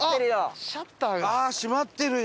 閉まってる。